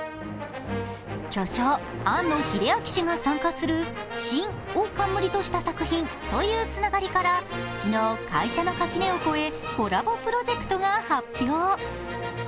巨匠・庵野秀明氏が参加する「シン」を冠とした作品というつながりから昨日、会社の垣根を越え、コラボプロジェクトが発表。